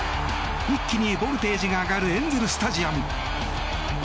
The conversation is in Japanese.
一気にボルテージが上がるエンゼル・スタジアム。